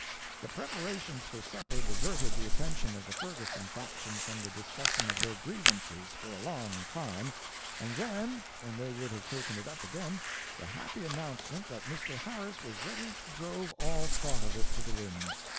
"The preparations for supper diverted the attention of the Ferguson faction from the discussion of their grievance for a long time, and then, when they would have taken it up again, the happy announcement that Mr. Harris was ready drove all thought of it to the winds.